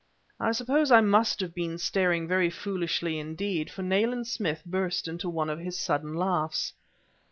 I suppose I must have been staring very foolishly indeed, for Nayland Smith burst into one of his sudden laughs.